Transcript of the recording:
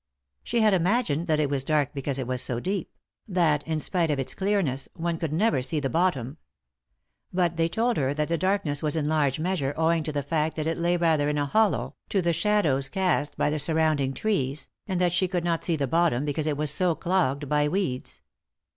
She had imagined that it was dark because it was so deep, that, in spite of its clearness, one could never see the bottom. But they told her that the darkness was in large measure owing to the fact that it lay rather in a hollow, to the shadows cast by the surrounding trees, and that she could not see the bottom because it was so clogged by weeds.